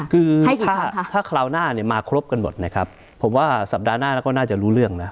คือถ้าคราวหน้าเนี่ยมาครบกันหมดนะครับผมว่าสัปดาห์หน้าเราก็น่าจะรู้เรื่องนะ